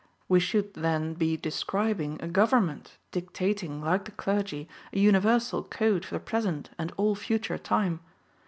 We should then be describing a government, dictating, like the clergy, a universal code for the present and all future time.